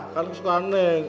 kan suka neng